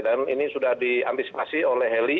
dan ini sudah diantisipasi oleh heli